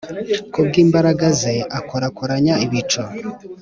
Ku bw’imbaraga ze, akorakoranya ibicu,